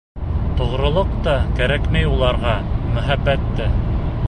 Тоғролоҡ та кәрәкмәй уларға, мөхәббәт тә.